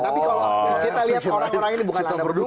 tapi kalau kita lihat orang orang ini bukanlah anda berdua